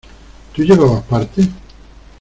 ¿ tú llevabas parte?